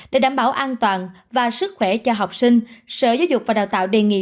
để đảm bảo an toàn và sức khỏe cho học sinh sở giáo dục và đào tạo đề nghị